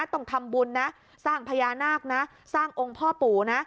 ต้องทำบุญนะสร้างพญานาคนะสร้างองค์พ่อปู่นะ